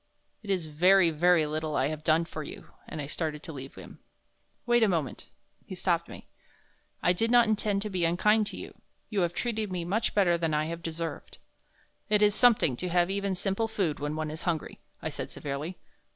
"It is very, very little I have done for you," and I started to leave him. "Wait a moment" he stopped me. "I did not intend to be unkind to you. You have treated me much better than I have deserved." "It is something to have even simple food when one is hungry," I said, severely.